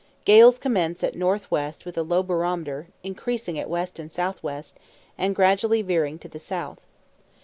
Gales commence at NW with a low barometer, increasing at W and SW, and gradually veering to the south.